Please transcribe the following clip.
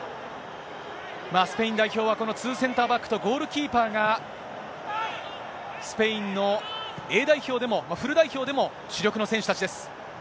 スペイン代表は、このツーセンターバックとゴールキーパーが、スペインのＡ代表でも、フル代表でも、主力の選手たちです。